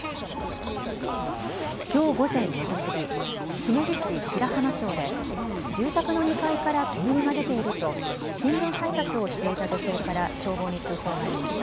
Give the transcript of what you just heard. きょう午前４時過ぎ、姫路市白浜町で住宅の２階から煙が出ていると新聞配達をしていた女性から消防に通報がありました。